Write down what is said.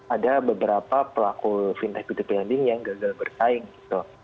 ada beberapa pelaku fintech p dua p lending yang gagal bersaing gitu